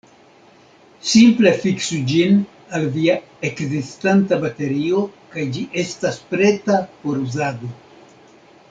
Simple fiksu ĝin al via ekzistanta baterio, kaj ĝi estas preta por uzado.